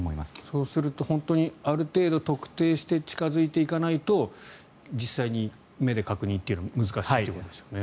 そうすると本当にある程度特定して近付いていかないと実際に目で確認というのは難しいということですね。